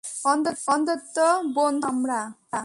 অন্তত বন্ধু ছিলাম আমরা।